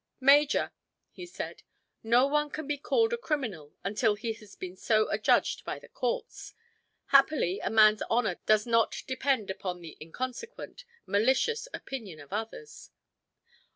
"Major," he said, "no one can be called a criminal until he has been so adjudged by the courts. Happily a man's honor does not depend upon the inconsequent, malicious opinion of others.